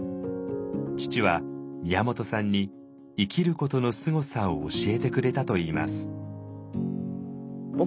父は宮本さんに「生きることのすごさ」を教えてくれたといいます。